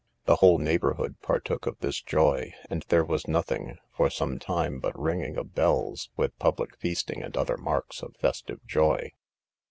The whole neighbourhood, partook of this joy; and there was nothing for some time but ringing of bells, with public feasting, and other marks of festive joy.